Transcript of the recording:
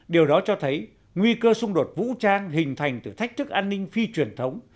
điều đó cho thấy nguy cơ xung đột vũ trang hình thành từ thách thức an ninh phi truyền thống